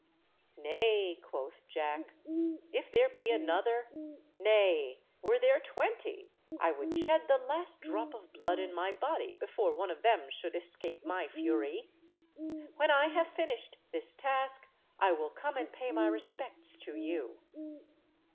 "Nay," quoth Jack, "if there be another—nay, were there twenty, I would shed the last drop of blood in my body before one of them should escape my fury. When I have finished this task I will come and pay my respects to you."